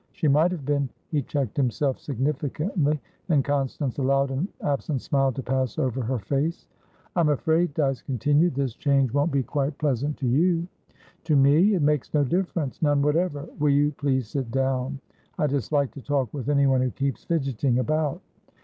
She might have been" He checked himself significantly, and Constance allowed an absent smile to pass over her face. "I'm afraid," Dyce continued, "this change won't be quite pleasant to you?" "To me? It makes no differencenone whatever. Will you please sit down? I dislike to talk with anyone who keeps fidgeting about."